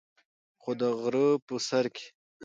خو د غرۀ پۀ سر کښې